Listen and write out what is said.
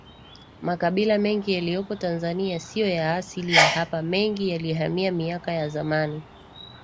Makabila mengi yaliyopo Tanzania siyo ya asili ya hapa mengi yalihamia miaka ya zamani